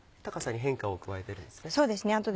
高さに変化を加えてるんですね。